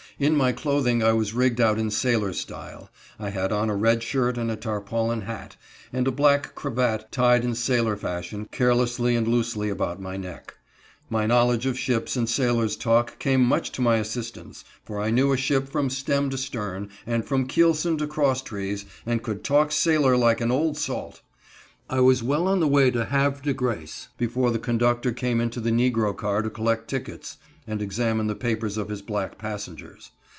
In my clothing I was rigged out in sailor style. I had on a red shirt and a tarpaulin hat, and a black cravat tied in sailor fashion carelessly and loosely about my neck. My knowledge of ships and sailor's talk came much to my assistance, for I knew a ship from stem to stern, and from keelson to cross trees, and could talk sailor like an "old salt." I was well on the way to Havre de Grace before the conductor came into the negro car to collect tickets and examine the papers of his black passengers.